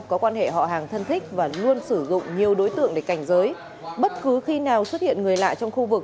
có quan hệ họ hàng thân thích và luôn sử dụng nhiều đối tượng để cảnh giới bất cứ khi nào xuất hiện người lạ trong khu vực